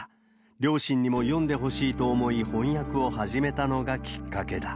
両親にも読んでほしいと思い、翻訳を始めたのがきっかけだ。